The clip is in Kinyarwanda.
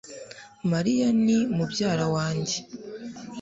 Mariya ni mubyara wanjye